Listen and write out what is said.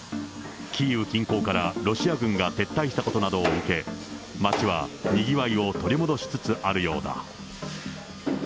キーウ近郊からロシア軍が撤退したことなどを受け、街はにぎわいを取り戻しつつあるようだ。